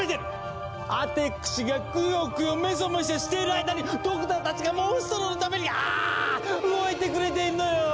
アテクシがクヨクヨメソメソしている間にドクターたちがモンストロのためにあぁ動いてくれているのよ！